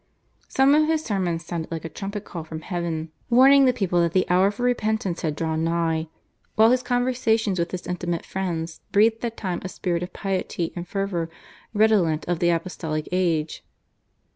Some of his sermons sounded like a trumpet call from Heaven, warning the people that the hour for repentance had drawn nigh, while his conversations with his intimate friends breathed at times a spirit of piety and fervour redolent of the apostolic age.